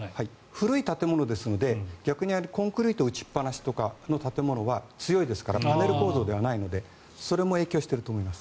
古い建物ですのでコンクリート打ちっぱなしの建物は強いですからパネル構造ではないのでそれも影響していると思います。